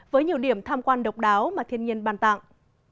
với nhiều điểm tham quan độc đáo mà thiên nhiên bàn tặng